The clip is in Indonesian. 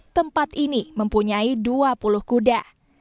tempat ini mempunyai dua puluh kuda